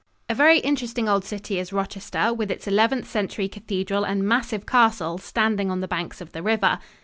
A very interesting old city is Rochester, with its Eleventh Century cathedral and massive castle standing on the banks of the river.